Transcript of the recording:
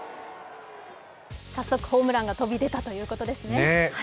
早速ホームランが飛び出たということですね。